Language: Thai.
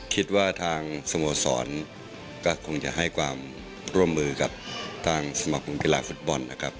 คิดว่าทางสโมสรก็คงจะให้ความร่วมมือกับทางสมาคมกีฬาฟุตบอลนะครับ